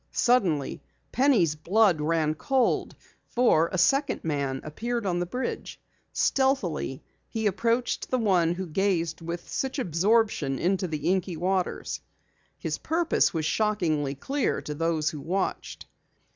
Suddenly Penny's blood ran cold, for a second man appeared on the bridge. Stealthily he approached the one who gazed with such absorption into the inky waters. His purpose was shockingly clear to those who watched.